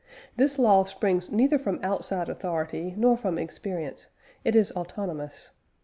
This law springs neither from outside authority nor from experience; it is autonomous.